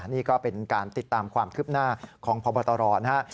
นี่ก็เป็นการติดตามความคืบหน้าของพบตรนะครับ